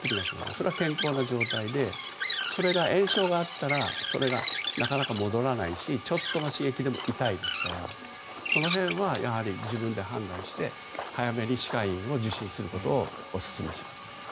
それは健康な状態でそれが炎症があったらそれがなかなか戻らないしちょっとの刺激でも痛いですからその辺はやはり、自分で判断して早めに歯科医を受診することをおすすめします。